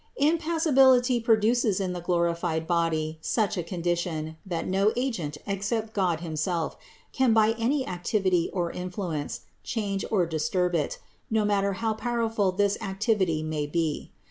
170. Impassibility produces in the glorified body such a condition, that no agent, except God himself, can by any activity or influence, change or disturb it, no matter how powerful this activity may be.